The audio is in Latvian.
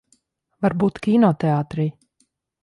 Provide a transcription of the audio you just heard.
Varbūt kinoteātrī?